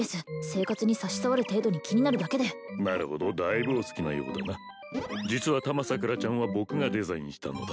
生活に差し障る程度に気になるだけでなるほどだいぶお好きなようだな実はたまさくらちゃんは僕がデザインしたのだよ